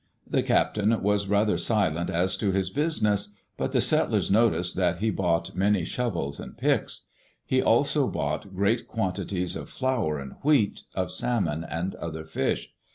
The captain was rather silent as to his business, but the settlers noticed that he bought many shovels and picks. He also bought great quantities of flour and wheat, of salmon and other fish.